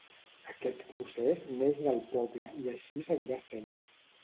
Aquest procés neix del poble i així seguirà sent.